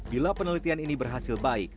bila penelitian ini berhasil baik